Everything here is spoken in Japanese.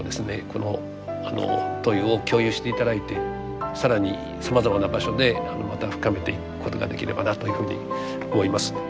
この問いを共有して頂いて更にさまざまな場所でまた深めていくことができればなというふうに思います。